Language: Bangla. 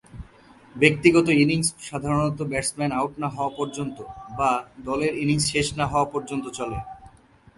ব্যক্তিগত ইনিংস সাধারনত ব্যাটসম্যান আউট না হওয়া পর্যন্ত বা দলের ইনিংস শেষ না হওয়া পর্যন্ত চলে।